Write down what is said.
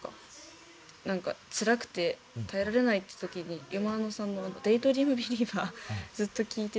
なんかつらくて耐えられないって時に忌野さんの「デイ・ドリーム・ビリーバー」ずっと聴いてて。